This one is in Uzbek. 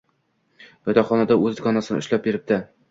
Yotoqxonada o`z dugonasini ushlab beribdi